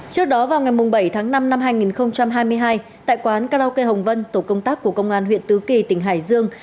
trước đó vào ngày bảy tháng năm năm hai nghìn hai mươi hai tại quán karaoke hồng vân tổ công tác của công an huyện tứ kỳ tỉnh hải dương